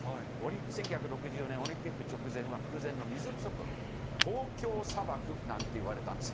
１９６４年、オリンピック直前は空前の水不足、東京砂漠なんて言われたんです。